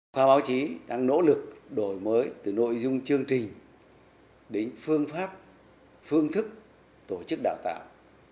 khoa báo chí đang nỗ lực đổi mới từ nội dung chương trình đến phương pháp phương thức tổ chức đào tạo